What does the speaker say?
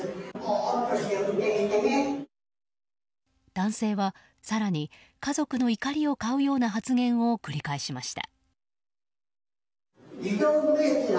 男性は、更に家族の怒りを買うような発言を繰り返しました。